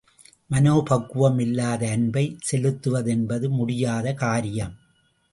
மனோபக்குவம் இல்லாது அன்பை செலுத்துவதென்பது முடியாத காரியம்.